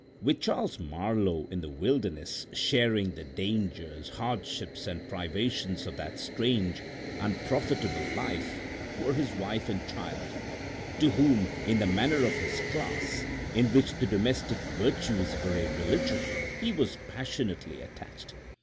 With Charles Marlowe in the wilderness, sharing the dangers, hardships and privations of that strange, unprofitable life, were his wife and child, to whom, in the manner of his class, in which the domestic virtues were a religion, he was passionately attached.